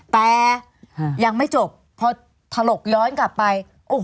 แต่ยังไม่จบพอถลกย้อนกลับไปโอ้โห